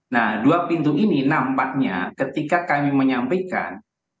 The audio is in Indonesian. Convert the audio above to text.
nah dua pintu ini nampaknya ketika kami menyampaikan